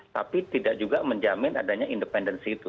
tapi tidak juga menjamin adanya independensi itu